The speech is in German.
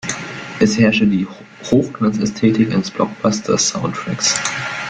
Es herrsche die „Hochglanz-Ästhetik eines Blockbuster-Soundtracks“.